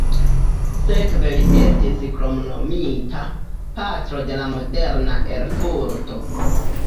Sekve li estis kromnomita "patro de la moderna Erfurto".